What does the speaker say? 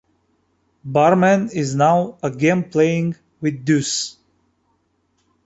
Barman is now again playing with Deus.